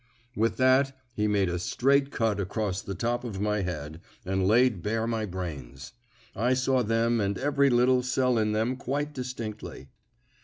With that he made a straight cut across the top of my head, and laid bare my brains. I saw them and every little cell in them quite distinctly.